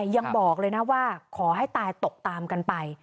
ยังบอกเลยนะว่าขอให้ตายตกตามกันไป